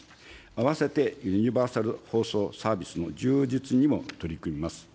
あわせて、ユニバーサル放送・サービスの充実にも取り組みます。